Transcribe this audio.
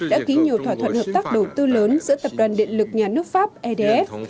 đã ký nhiều thỏa thuận hợp tác đầu tư lớn giữa tập đoàn điện lực nhà nước pháp edf